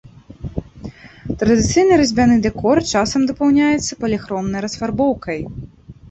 Традыцыйны разьбяны дэкор часам дапаўняецца паліхромнай расфарбоўкай.